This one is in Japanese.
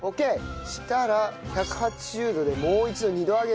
そしたら１８０度でもう一度二度揚げします。